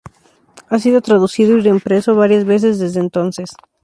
Ha sido traducido y reimpreso varias veces desde entonces.